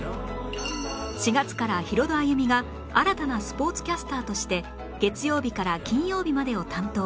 ４月からヒロド歩美が新たなスポーツキャスターとして月曜日から金曜日までを担当